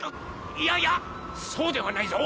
いやいやそうではないぞ！